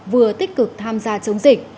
vừa tích cực tham gia chống dịch